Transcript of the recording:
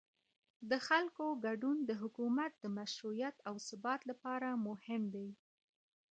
د خلکو ګډون د حکومت د مشروعیت او ثبات لپاره مهم دی